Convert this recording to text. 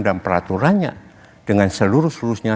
peraturannya dengan seluruh seluruhnya